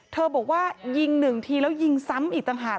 บอกว่ายิงหนึ่งทีแล้วยิงซ้ำอีกต่างหาก